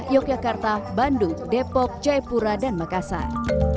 yogyakarta bandung depok jaipura dan makassar